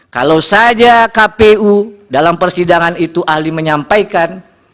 kalau saja kpu dalam persidangan itu ahli menyampaikan